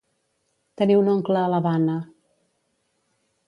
Tenir un oncle a l'Havana.